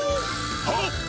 はっ！